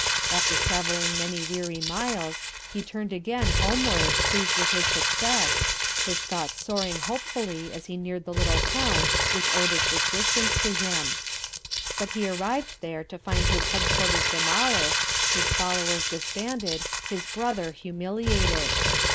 After travelling many weary miles, he turned again homeward, pleased with his success, his thoughts soaring hopefully as he neared the little town which owed its existence to him. But he arrived there to find his headquarters demolished, his followers disbanded, his brother humiliated.